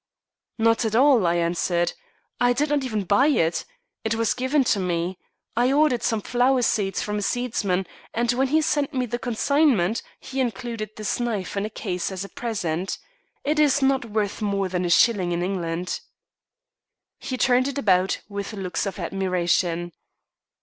"Not at all," I answered. "I did not even buy it. It was given me. I ordered some flower seeds from a seeds man, and when he sent me the consignment he included this knife in the case as a present. It is not worth more than a shilling in England." He turned it about, with looks of admiration.